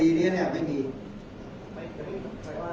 ได้ได้ให้สอบเพิ่มมันไหมครับ